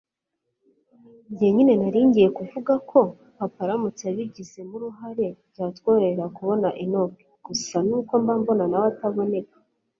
njye nyine naringiye kuvuga ko papa aramutse abigizemo uruhari byatworohera kubona enock gusa nuko mba mbona nawe ataboneka